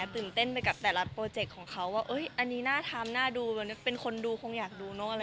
เต้นเต้นไปกับแต่ละโปรเจ็คค่ะว่าอันนี้น่าทำน่าดูแล้วเป็นคนดูคงอยากดูเนาะ